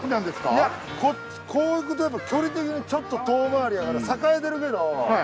いやこう行くとやっぱ距離的にちょっと遠回りやから栄えてるけど。